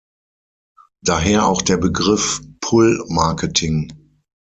Daher auch der Begriff Pull-Marketing.